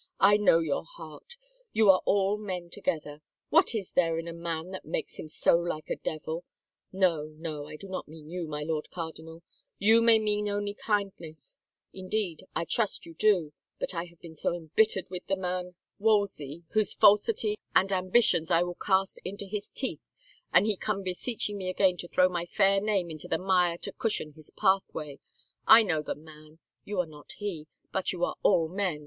I know your heart, you are all men together. What is there in a man that makes him so like a devil ?... No, no, I do not mean you, my Lord Cardinal; you may mean only kindness, indeed I trust you do, but I have been so embittered with the man Wolsey, whose falsity and ambitions I will cast into his teeth an he come beseeching me again to throw my fair name into the mire to cushion his pathway! ... I know the man. ... You are not he — but you are all men.